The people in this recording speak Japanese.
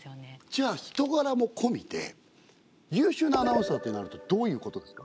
じゃあ人柄も込みで優秀なアナウンサーってなるとどういうことですか？